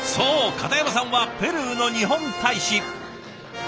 片山さんはペルーの日本大使。